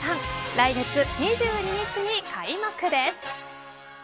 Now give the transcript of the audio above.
来月２２日に開幕です。